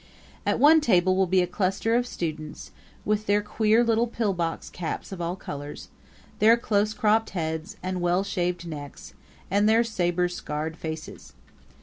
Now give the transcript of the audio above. At one table will be a cluster of students, with their queer little pill box caps of all colors, their close cropped heads and well shaved necks, and their saber scarred faces.